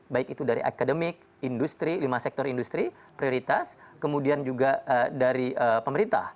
baik itu dari akademik industri lima sektor industri prioritas kemudian juga dari pemerintah